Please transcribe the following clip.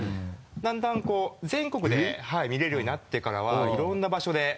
だんだんこう全国で見れるようになってからはいろんな場所で。